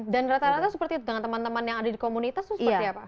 rata rata seperti itu dengan teman teman yang ada di komunitas itu seperti apa